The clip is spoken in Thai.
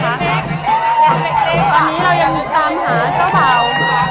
อันนี้เรายังมีตามหาเจ้าบ่าว